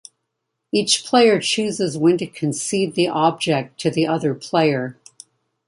Each player chooses when to concede the object to the other player.